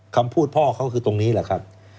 คำพูดพ่อเขาคือตรงนี้แหละครับ